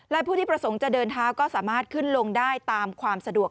และผู้ที่ประสงค์จะเดินเท้าก็สามารถขึ้นลงได้ตามความสะดวก